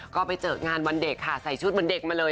ก็ไปเจองานวันเด็กค่ะใส่ชุดเหมือนเด็กมาเลย